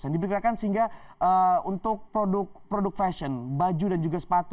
diberikan sehingga untuk produk fashion baju dan juga sepatu